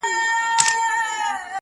نورو ته مي شا کړې ده تاته مخامخ یمه,